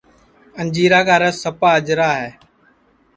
انجیرا کا رس سپا اجرا ہے